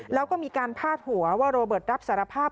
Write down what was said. แล้วก็มีการพาดหัวว่าโรเบิร์ตรับสารภาพ